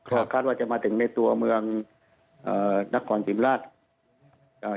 ครับคาดว่าจะมาถึงในตัวเมืองเอ่อนักกรสิมราชอ่า